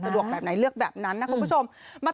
สะดวกแบบไหนเลือกแบบนั้นนะคุณผู้ชม